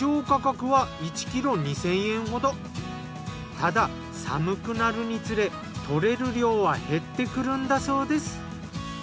ただ寒くなるにつれ採れる量は減ってくるんだそうです。